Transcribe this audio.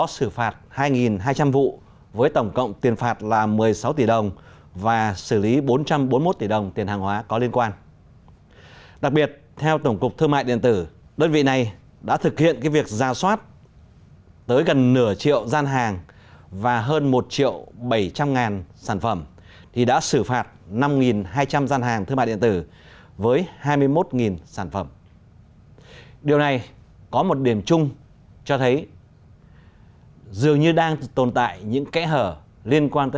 xin chào và hẹn gặp lại các bạn trong những video tiếp theo